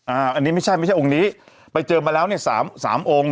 อันนี้ไม่ใช่ไม่ใช่องค์นี้ไปเจอมาแล้วเนี่ยสามสามองค์